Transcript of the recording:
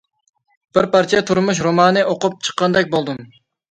بىر پارچە تۇرمۇش رومانى ئوقۇپ چىققاندەك بولدۇم.